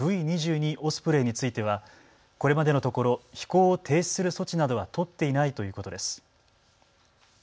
オスプレイについてはこれまでのところ飛行を停止する措置などは取っていないということです。